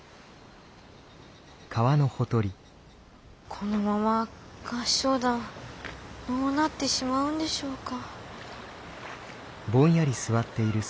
このまま合唱団のうなってしまうんでしょうか。